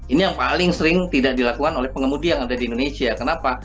ini yang paling sering tidak dilakukan oleh pengemudi yang ada di indonesia kenapa